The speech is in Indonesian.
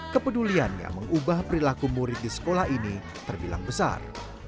kepeduliannya mengubah perilaku murid di sekolah ini terbilang besar